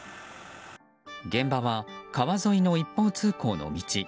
現場は川沿いの一方通行の道。